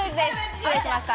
失礼しました。